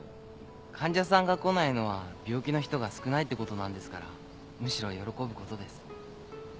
患者さんが来ないのは病気の人が少ないってことなんですからむしろ喜ぶことです。